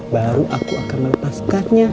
baru aku akan melepaskannya